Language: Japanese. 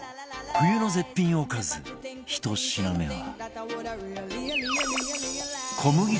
冬の絶品おかず１品目は